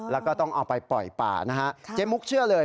แล้วก็ต้องเอาไปปล่อยป่านะฮะเจ๊มุกเชื่อเลย